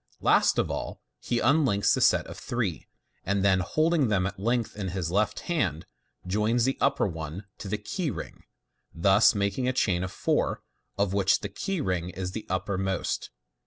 Last of all, he unlinks the set of three, and then, holding them at length in his left hand, joins the upper one to the key ring, thus making a chain of four, of which the key ring is the uppermost.